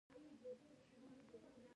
که تاسو يو کس ته بد رد وویل.